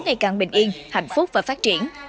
ngày càng bình yên hạnh phúc và phát triển